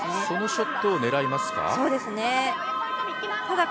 そのショットを狙いますか。